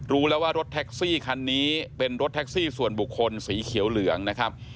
รู้แล้วว่ารถแท็กซี่คันนี้เป็นรถแท็กซี่ส่วนบุคคลสีเขียวเหลืองนะครับ